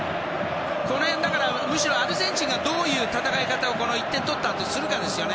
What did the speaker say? この辺、むしろアルゼンチンがどういう戦い方をこの１点を取ったあとするかですよね。